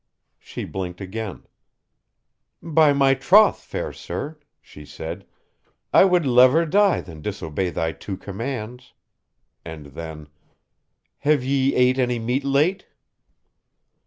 She blinked again. "By my troth, fair sir," she said, "I would lever die than disobey thy two commands." And then, "Have ye ate any meat late?"